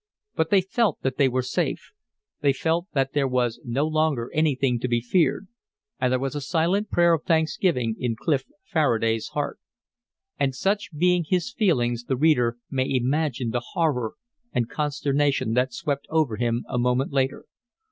But they felt that they were safe. They felt that there was no longer anything to be feared. And there was a silent prayer of thanksgiving in Clif Faraday's heart. And such being his feelings, the reader may imagine the horror and consternation that swept over him a moment later.